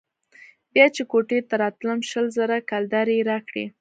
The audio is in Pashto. بيا چې كوټې ته راتلم شل زره كلدارې يې راکړې.